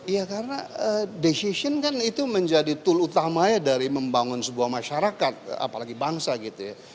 iya karena decision kan itu menjadi tool utamanya dari membangun sebuah masyarakat apalagi bangsa gitu ya